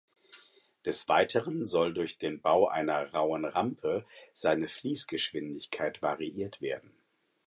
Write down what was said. Des Weiteren soll durch den Bau einer Rauen Rampe seine Fließgeschwindigkeit variiert werden.